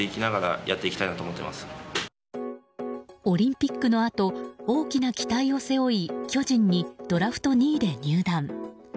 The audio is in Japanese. オリンピックのあと大きな期待を背負い巨人にドラフト２位で入団。